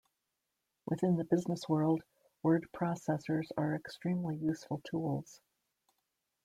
Within the business world, word processors are extremely useful tools.